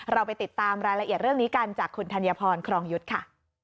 เราไปติดตามรายละเอียดเรื่องนี้กันจากคุณธัญพรครองยุทธ์ค่ะ